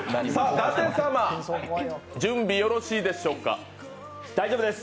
舘様、準備よろしいでしょうか。